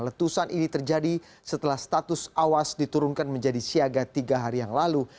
letusan ini terjadi setelah status awas diturunkan menjadi siaga tiga hari yang lalu